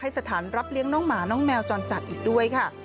สถานรับเลี้ยงน้องหมาน้องแมวจรจัดอีกด้วยค่ะ